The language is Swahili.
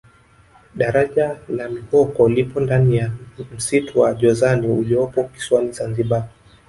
daraja la mikoko lipo ndani ya msitu wa jozani uliopo kisiwani zanzibar